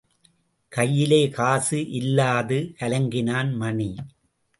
கையிலே காசு இல்லாது கலங்கினான் மணி.